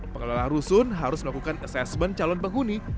pengelola rusun harus melakukan asesmen calon penghuni